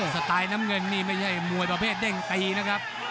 สไตล์น้ำเงินนี่ไม่ใช่มวยประเภทเด้งตีนะครับ